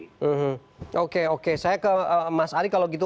hmm oke oke saya ke mas ari kalau gitu